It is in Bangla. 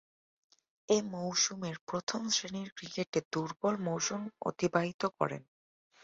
এ মৌসুমের প্রথম-শ্রেণীর ক্রিকেটে দূর্বল মৌসুম অতিবাহিত করেন।